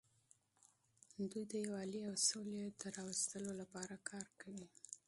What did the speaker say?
دوی د یووالي او سولې د راوستلو لپاره کار کوي.